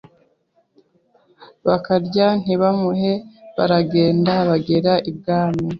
bakarya ntibamuhe Baragenda bagera ibwami